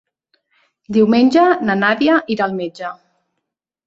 Diumenge na Nàdia irà al metge.